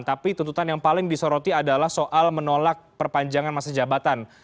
tapi tuntutan yang paling disoroti adalah soal menolak perpanjangan masa jabatan